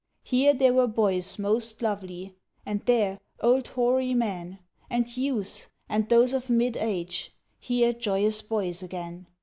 Here, there were boys most lovely; And there, old hoary men; And youths, and those of mid age; Here joyous boys again.